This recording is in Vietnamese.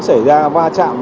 xảy ra va chạm